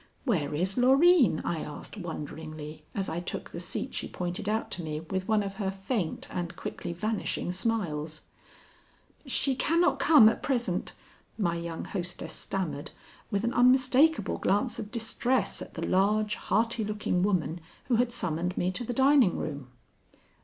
"Where is Loreen?" I asked wonderingly, as I took the seat she pointed out to me with one of her faint and quickly vanishing smiles. "She cannot come at present," my young hostess stammered with an unmistakable glance of distress at the large, hearty looking woman who had summoned me to the dining room.